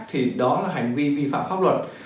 thì đó là hành vi vi phạm pháp luật